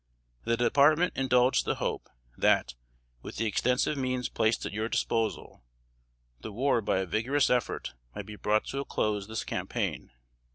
"The Department indulged the hope, that, with the extensive means placed at your disposal, the war by a vigorous effort might be brought to a close this campaign.